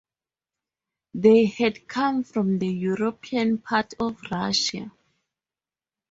They had come from the European part of Russia.